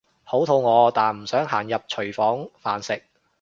好肚餓但唔想行入廚房飯食